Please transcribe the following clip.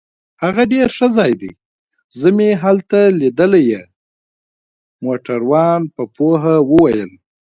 هغه ډیر ښه ځای دی، زه مې هلته لیدلی يې. موټروان په پوهه وویل.